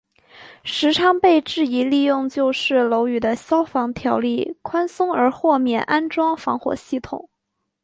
时昌被质疑利用旧式楼宇的消防条例宽松而豁免安装防火系统。